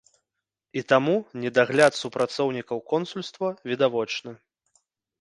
І таму недагляд супрацоўнікаў консульства відавочны.